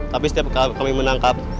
tapi setiap kami menangkap